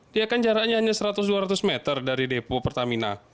dia kan jaraknya hanya seratus dua ratus meter dari depo pertamina